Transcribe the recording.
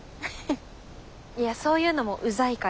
いやそういうのもうざいから。